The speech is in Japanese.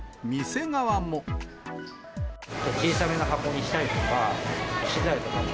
小さめの箱にしたりとか、資材とかも、